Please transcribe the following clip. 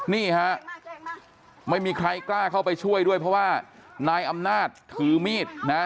นี่ฮะไม่มีใครกล้าเข้าไปช่วยด้วยเพราะว่านายอำนาจถือมีดนะฮะ